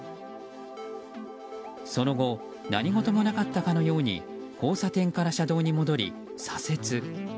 その後何事もなかったかのように交差点から車道に戻り、左折。